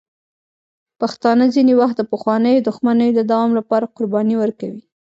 پښتانه ځینې وخت د پخوانیو دښمنیو د دوام لپاره قربانۍ ورکوي.